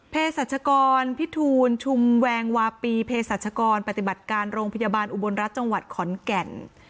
สัชกรพิทูลชุมแวงวาปีเพศรัชกรปฏิบัติการโรงพยาบาลอุบลรัฐจังหวัดขอนแก่น